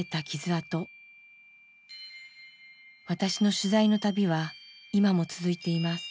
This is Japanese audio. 私の取材の旅は今も続いています。